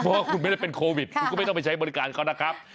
เพราะว่าคุณไม่ได้เป็นโควิดคุณก็ไม่ต้องไปใช้บริการเขานะครับ